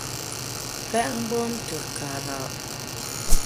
Pèt mgbom te kara’ !